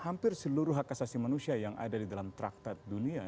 hampir seluruh hak asasi manusia yang ada di dalam traktat dunia